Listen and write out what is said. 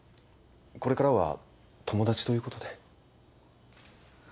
これからは友達ということで。